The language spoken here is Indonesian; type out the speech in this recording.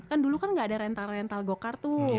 kan dulu kan gak ada rental rental go kart tuh